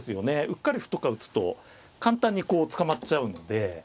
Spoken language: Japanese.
うっかり歩とか打つと簡単にこう捕まっちゃうので。